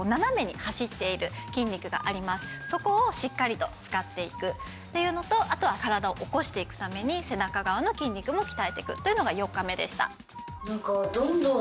そこをしっかりと使っていくっていうのとあとは体を起こしていくために背中側の筋肉も鍛えていくというのが４日目でした。